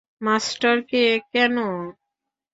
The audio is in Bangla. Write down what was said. মাস্টার কে কেন?